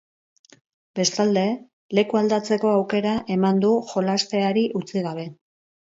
Bestalde, lekua aldatzeko aukera ematen du jolasteari utzi gabe.